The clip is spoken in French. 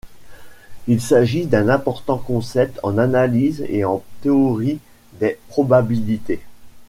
Il s'agit d'un important concept en analyse et en théorie des probabilités.